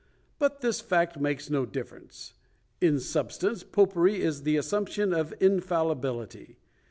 But this fact makes no difference. In substance, popery is the assumption of infallibility.